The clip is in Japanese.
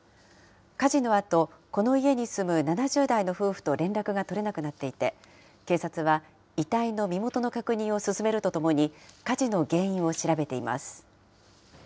火事のあと、この家に住む７０代の夫婦と連絡が取れなくなっていて、警察は遺体の身元の確認を進めるとともに、火事の原因を調べています。